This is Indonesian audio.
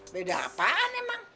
beda apaan emang